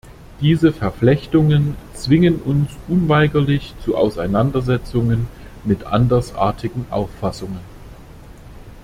Diese Verflechtungen zwingen uns unweigerlich zu Auseinandersetzungen mit andersartigen Auffassungen.